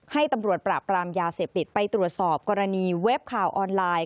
ให้ตำรวจปราบปรามยาเสพติดไปตรวจสอบกรณีเว็บข่าวออนไลน์